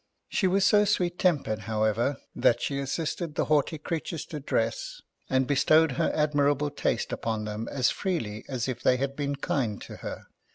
She was so sweet tempered, however, that she assisted the haughty creatures to dress, and bestowed her admirable taste upon them as freely as if they had been kind to her.